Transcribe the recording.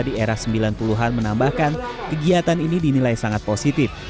di era sembilan puluh an menambahkan kegiatan ini dinilai sangat positif